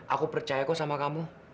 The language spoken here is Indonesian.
aku percaya kok sama kamu